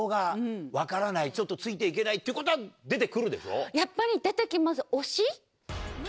ちょっとついていけないっていうことは出てくるでしょ？